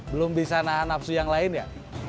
belum bisa nahan nafsu yang lain ya